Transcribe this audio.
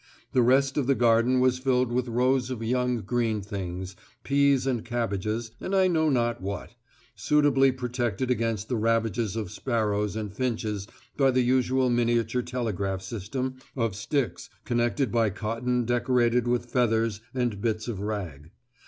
The rest of the garden was filled with rows of young green things, peas, and cabbages, and I know not what, suitably protected against the ravages of sparrows and finches by the usual miniature telegraph system of sticks connected by cotton decorated with feathers and bits of rag.